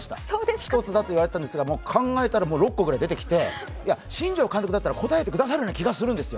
一つと言われたんですが、考えたら６個出てきて新庄監督だったら答えてくださるような気がするんですよ。